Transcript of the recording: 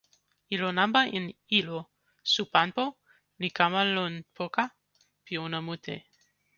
ilo nanpa en ilo Supanpo li kama lon poka pi ona mute.